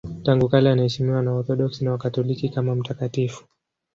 Tangu kale anaheshimiwa na Waorthodoksi na Wakatoliki kama mtakatifu.